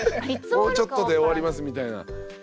もうちょっとで終わりますみたいな。